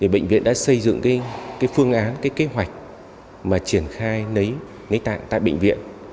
bệnh viện đã xây dựng phương án kế hoạch mà triển khai lấy tạng tại bệnh viện